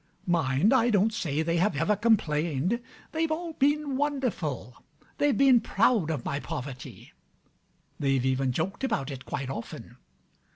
Mind: I don't say they have ever complained. They've all been wonderful: they've been proud of my poverty. They've even joked about it quite often.